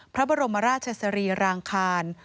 พระบรมราชสรีรางคาร